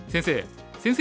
先生。